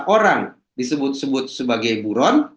orang disebut sebut sebagai buron